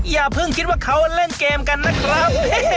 ก็คิดว่าเขาเล่นเกมกันนะครับ